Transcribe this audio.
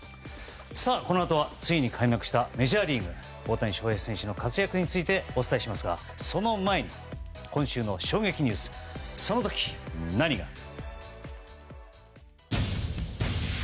このあとは、ついに開幕したメジャーリーグ大谷選手の活躍についてお伝えしていきますがその前に今週の衝撃ニュースその時、何が。